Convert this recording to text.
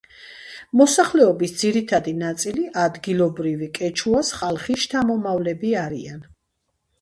მოსახლეობის ძირითადი ნაწილი ადგილობრივი კეჩუას ხალხის შთამომავლები არიან.